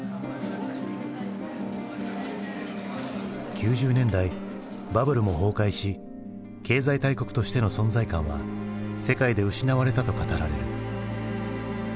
９０年代バブルも崩壊し経済大国としての存在感は世界で失われたと語られる。